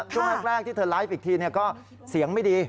ช่วงแรกที่เธอไลฟ์อีกทีก็เสียงไม่ดี